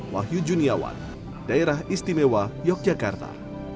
wahyu juniawan daerah istimewa yogyakarta